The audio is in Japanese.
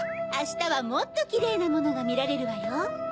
あしたはもっとキレイなものがみられるわよ。